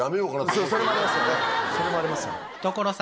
それもありますよね。